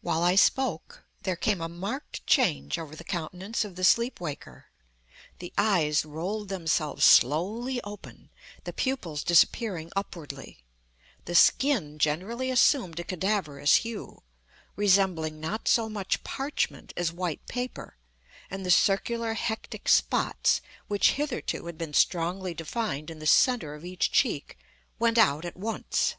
While I spoke, there came a marked change over the countenance of the sleep waker. The eyes rolled themselves slowly open, the pupils disappearing upwardly; the skin generally assumed a cadaverous hue, resembling not so much parchment as white paper; and the circular hectic spots which, hitherto, had been strongly defined in the centre of each cheek, went out at once.